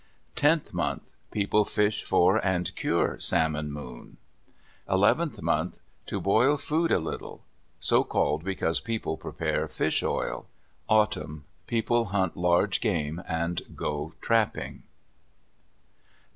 Tenth month.—People fish for and cure salmon moon. Eleventh month.—"To boil food a little." So called because people prepare fish oil. Autumn.—People hunt large game and go trapping.